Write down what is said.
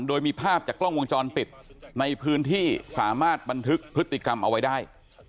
โดยมีภาพจากกล้องวงจรปิดในพื้นที่สามารถบันทึกพฤติกรรมเอาไว้ได้